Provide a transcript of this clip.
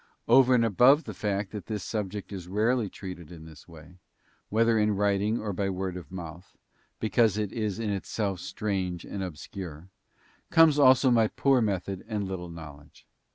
Over and above the fact that this subject is rarely treated in this way, whether in writing or by word of mouth, because it is in itself strange and obscure, comes also my poor method and little know ledge.